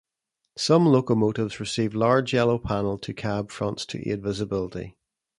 Some locomotives received large yellow panel to the cab fronts to aid visibility.